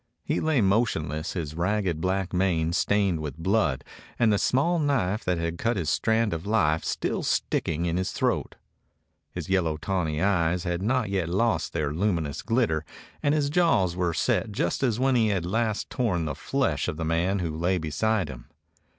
He lay motionless, his ragged black mane stained with blood, and the small knife that had cut his strand of life still sticking in his throat. His yellow tawny eyes had not yet lost their luminous glitter, and his jaws were set just as when he had last torn the flesh of the man who lay beside him.